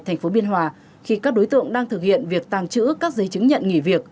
tp biên hòa khi các đối tượng đang thực hiện việc tàng trữ các giấy chứng nhận nghỉ việc